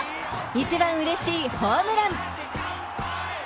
一番うれしいホームラン！